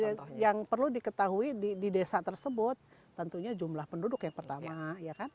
data yang perlu diketahui di desa tersebut tentunya jumlah penduduk yang pertama